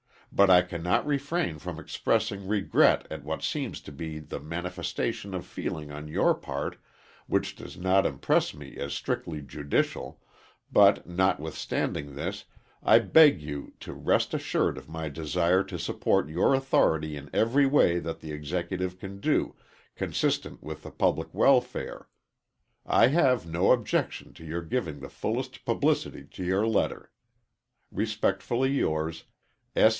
But I cannot refrain from expressing regret at what seems to be the manifestation of feeling on your part, which does not impress me as strictly judicial, but, notwithstanding this, I beg you to rest assured of my desire to support your authority in every way that the Executive can do, consistent with the public welfare. I have no objection to your giving the fullest publicity to your letter. Respectfully yours, S.